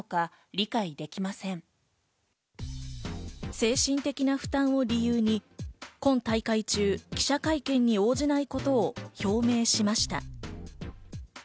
精神的な負担を理由に今大会中、記者会見に応じないことを表明しました。